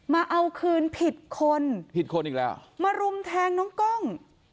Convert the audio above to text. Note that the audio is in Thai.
มาเอาคืนผิดคนมารุมแทงน้องกล้อง